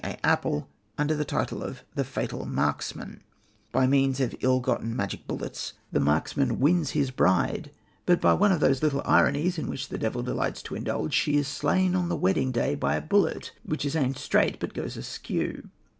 A. Apel, under the title of The Fatal Marksman. By means of ill gotten magic bullets the marksman wins his bride, but by one of those little ironies in which the devil delights to indulge, she is slain on the wedding day by a bullet, which is aimed straight, but goes askew.